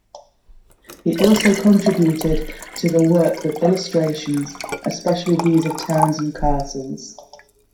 He also contributed to the work with illustrations, especially views of towns and castles.